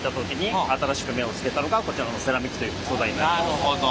なるほど。